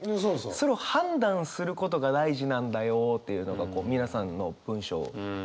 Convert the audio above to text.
それを判断することが大事なんだよというのが皆さんの文章感じ取りましたね。